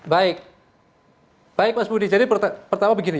baik baik mas budi jadi pertama begini